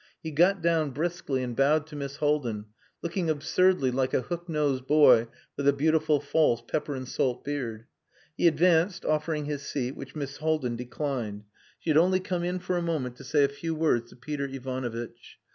He got down briskly and bowed to Miss Haldin, looking absurdly like a hooknosed boy with a beautiful false pepper and salt beard. He advanced, offering his seat, which Miss Haldin declined. She had only come in for a moment to say a few words to Peter Ivanovitch.